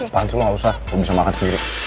tahan semua gak usah gue bisa makan sendiri